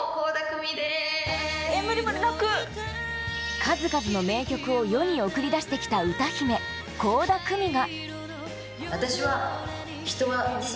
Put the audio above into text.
数々の名曲を世に送り出してきた歌姫・倖田來未が。